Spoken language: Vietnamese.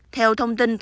theo thông tin